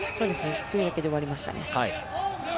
注意だけで終わりましたね。